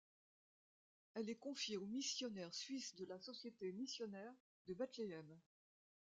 Elle est confiée aux missionnaires suisses de la Société missionnaire de Bethléem.